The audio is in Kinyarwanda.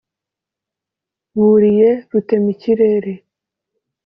Buriye rutemikirere